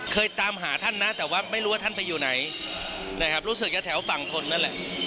ตามหาท่านนะแต่ว่าไม่รู้ว่าท่านไปอยู่ไหนนะครับรู้สึกจะแถวฝั่งทนนั่นแหละ